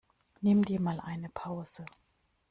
Nimm dir mal eine Pause!